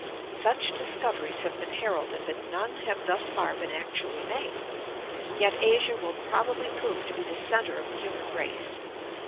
Such discoveries have been heralded, but none have thus far been ac tually made. Yet Asia will probably prove to be the center of the human race.